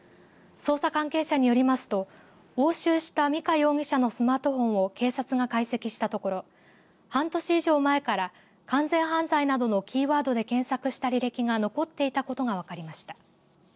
捜査関係者によりますと押収した美香容疑者のスマートフォンを警察が解析したところ半年以上前から完全犯罪などのキーワードで検索した履歴が残っていたことが分かりました。